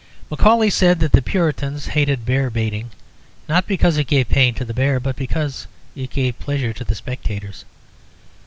Macaulay said that the Puritans hated bear baiting, not because it gave pain to the bear, but because it gave pleasure to the spectators.